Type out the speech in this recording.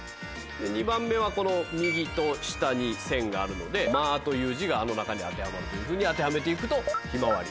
２番目は右と下に線があるので「ま」という字があの中に当てはまるというふうに当てはめていくと。